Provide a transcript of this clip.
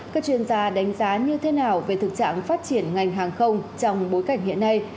các chuyên gia đánh giá như thế nào về thực trạng phát triển ngành hàng không trong bối cảnh hiện nay